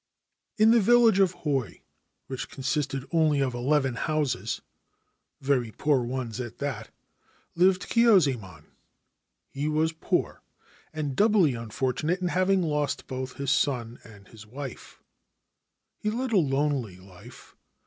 In the village of Hoi, which consisted only of eleven houses, very poor ones at that, lived Kyuzaemon. He was poor, and doubly unfortunate in having lost both his son and his wife. He led a lonely life.